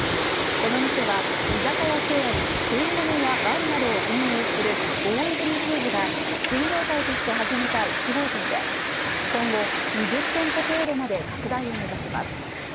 この店は居酒屋チェーン、くいもの屋わんなどを運営するオーイズミフーズが新業態として始めた１号店で今後２０店舗程度まで拡大を目指します。